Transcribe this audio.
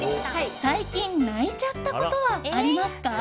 最近、泣いちゃったことはありますか？